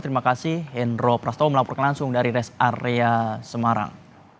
terima kasih hendro prasto melaporkan langsung dari res area semarang